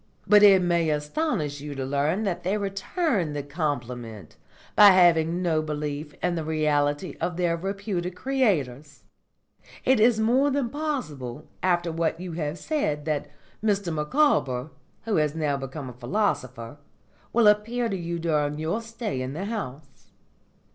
But it may astonish you to learn that they return the compliment by having no belief in the reality of their reputed creators. It is more than possible, after what you have said, that Mr Micawber, who has now become a philosopher, will appear to you during your stay in the house.